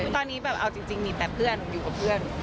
ตอนนี้แบบเอาจริงมีแต่เพื่อนอยู่กับเพื่อน